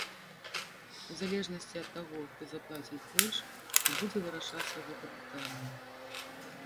У залежнасці ад таго, хто заплаціць больш, і будзе вырашацца гэта пытанне.